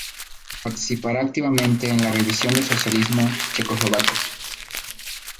Participará activamente en la revisión del socialismo checoslovaco".